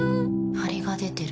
ハリが出てる。